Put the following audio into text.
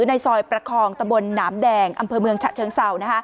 ในซอยประคองตะบนหนามแดงอำเภอเมืองฉะเชิงเศร้า